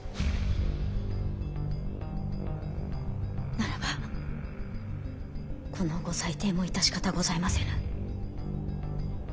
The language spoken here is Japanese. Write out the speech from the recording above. ならばこのご裁定も致し方ございませぬ。